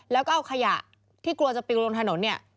แล้วก็เอาขยะที่กลัวจะปิงลงถนนเนี่ย